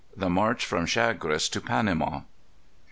_The March from Chagres to Panama.